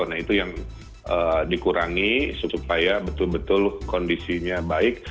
nah itu yang dikurangi supaya betul betul kondisinya baik